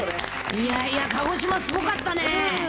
いやいや、鹿児島、すごかったね。